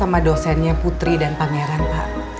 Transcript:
benar kan pak